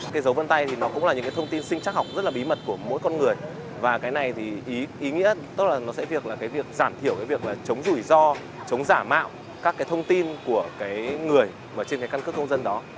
cái dấu vân tay thì nó cũng là những cái thông tin sinh chắc học rất là bí mật của mỗi con người và cái này thì ý nghĩa tức là nó sẽ việc là cái việc giảm thiểu cái việc là chống rủi ro chống giả mạo các cái thông tin của cái người mà trên cái căn cước công dân đó